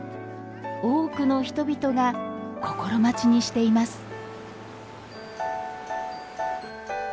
多くの人々が心待ちにしています